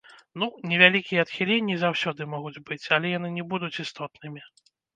Ну, невялікія адхіленні заўсёды могуць быць, але яны не будуць істотнымі.